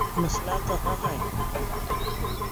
مسئلہ کہاں ہے؟